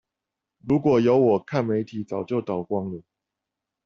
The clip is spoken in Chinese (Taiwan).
如果有我看媒體早就倒光了！